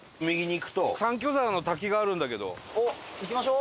行きましょう。